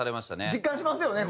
実感しますよね